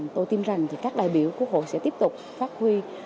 tôi tin rằng các đại biểu quốc hội sẽ tiếp tục phát huy